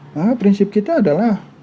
nah prinsip kita adalah